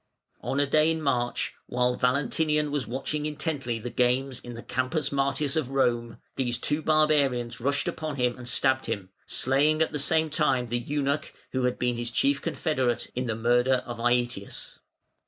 On a day in March, while Valentinian was watching intently the games in the Campus Martius of Rome, these two barbarians rushed upon him and stabbed him, slaying at the same time the eunuch, who had been his chief confederate in the murder of Aëtius.